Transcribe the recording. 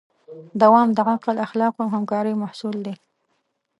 دوام د عقل، اخلاقو او همکارۍ محصول دی.